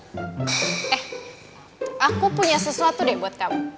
eh aku punya sesuatu deh buat kamu